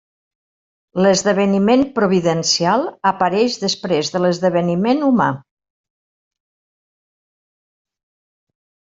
L'esdeveniment providencial apareix després de l'esdeveniment humà.